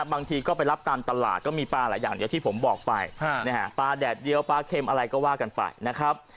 บางทีก็ไปรับตามตลาดก็มีปลาหลายอย่างเดียวที่ผมบอกไปปลาแดดเดียวปลาเค็มอะไรก็ว่ากันไปนะครับ